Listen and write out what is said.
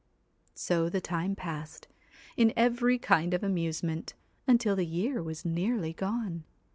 So the time passed, in every kind of amusement, until the year was nearly gone.